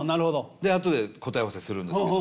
であとで答え合わせするんですけど。